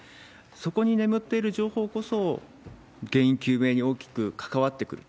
そこに眠っている情報こそ、原因究明に大きく関わってくる。